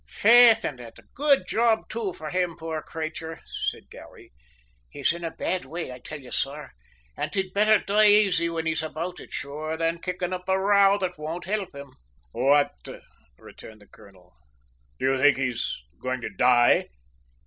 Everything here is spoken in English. "Faith, an' a good job, too, for him, poor crayture," said Garry. "He's in a bad way, I till you, sor! an' he'd betther die aisy whin he's about it, sure, than kickin' up a row that won't help him." "What!" returned the colonel. "Do you think he's going to die?"